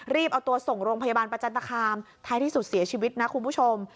เอาตัวส่งโรงพยาบาลประจันตคามท้ายที่สุดเสียชีวิตนะคุณผู้ชม